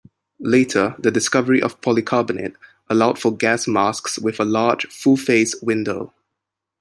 Later, the discovery of polycarbonate allowed for gas masks with a large full-face window.